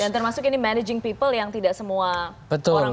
dan termasuk ini managing people yang tidak semua orang mampu lakukan itu